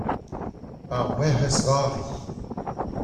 ar Werc'hez Vari.